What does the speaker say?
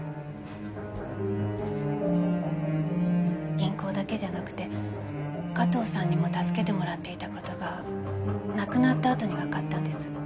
銀行だけじゃなくて加藤さんにも助けてもらっていた事が亡くなったあとにわかったんです。